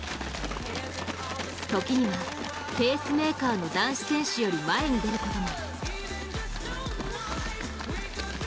時にはペースメーカーの男子選手より前に出ることも。